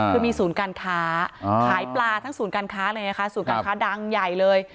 คือมีศูนย์การค้าขายปลาทั้งศูนย์การค้าเลยนะคะศูนย์การค้าดังใหญ่เลย